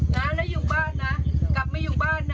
นะแล้วอยู่บ้านนะกลับมาอยู่บ้านนะ